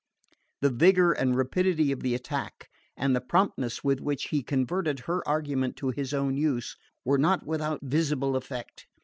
The vigour and rapidity of the attack, and the promptness with which he converted her argument to his own use, were not without visible effect.